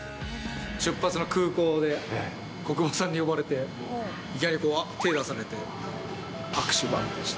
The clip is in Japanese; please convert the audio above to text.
出発の空港で小久保さんに呼ばれて、いきなり手出されて、握手、ばーってして、